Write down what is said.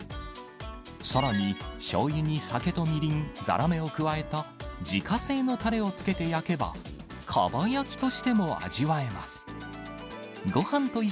さらに、しょうゆに酒とみりん、ざらめを加えた自家製のたれをつけて焼けば、かば焼きとしても味わえます。